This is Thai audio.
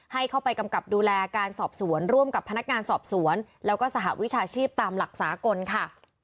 ให้เข้าไปกำกับดูแลการสอบสวนร่วมกับพนักงานสอบสวนแล้วก็สหวิชาชีพตามหลักสากลค่ะ